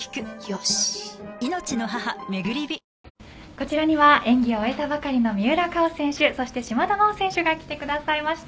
こちらには演技を終えたばかりの三浦佳生選手そして島田麻央選手が来てくださいました。